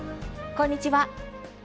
こんにちは。